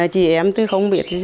chị em không biết dư là học hỏi